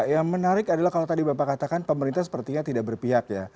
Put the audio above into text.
yang menarik adalah kalau tadi bapak katakan pemerintah sepertinya tidak berpihak ya